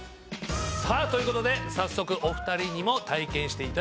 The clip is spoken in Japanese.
さあということで早速お二人にも体験していただいております。